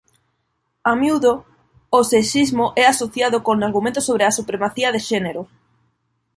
A miúdo o sexismo é asociado con argumentos sobre a supremacía de xénero.